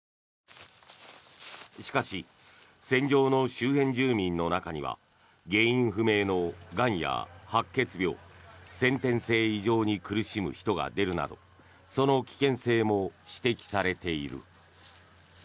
しかし、戦場の周辺住民の中には原因不明のがんや白血病先天性異常に苦しむ人が出るなどその危険性も指摘されている。